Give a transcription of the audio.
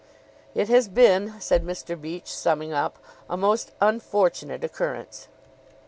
"It has been," said Mr. Beach, summing up, "a most unfortunate occurrence.